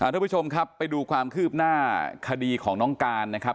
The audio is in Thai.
ทุกผู้ชมครับไปดูความคืบหน้าคดีของน้องการนะครับ